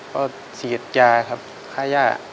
ก็ฉีดยาครับค่าย่า